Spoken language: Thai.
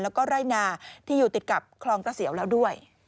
แล้วก็ไร่นาที่อยู่ติดกับคลองเกษียวแล้วด้วย